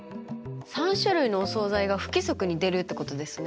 ３種類のお総菜が不規則に出るってことですね。